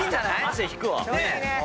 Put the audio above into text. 汗引くわ。